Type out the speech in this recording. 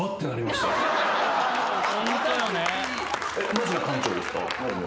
マジな館長ですか？